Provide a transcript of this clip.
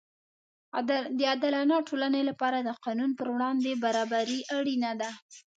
د عادلانه ټولنې لپاره د قانون پر وړاندې برابري اړینه ده.